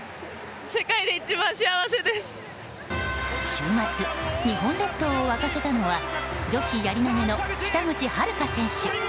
週末、日本列島を沸かせたのは女子やり投げの北口榛花選手。